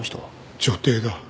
女帝だ。